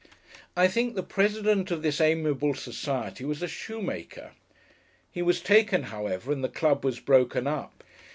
I think the president of this amiable society was a shoemaker. He was taken, however, and the club was broken up.